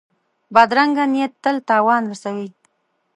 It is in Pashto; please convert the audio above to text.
بدرنګه نیت تل تاوان رسوي